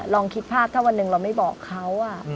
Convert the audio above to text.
ลองคิดภาพถ้าวันหนึ่งเราไม่บอกเขา